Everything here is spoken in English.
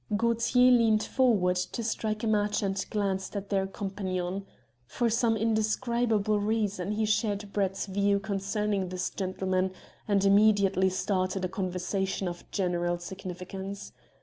Gaultier leant forward to strike a match and glanced at their companion. For some indescribable reason he shared Brett's views concerning this gentleman, and immediately started a conversation of general significance.